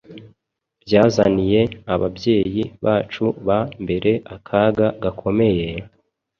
byazaniye ababyeyi bacu ba mbere akaga gakomeye,